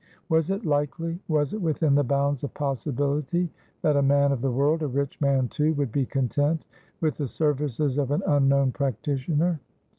Was it likely was it within the bounds of possibility that a man of the world a rich man too would be content with the services of an unknown practitioner?